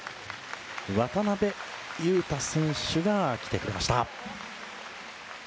渡邊雄太選手が来てくれました。